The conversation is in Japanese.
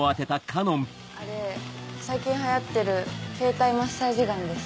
あれ最近流行ってる携帯マッサージガンです。